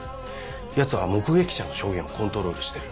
ヤツは目撃者の証言をコントロールしてる。